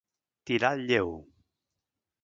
Tirar el lleu.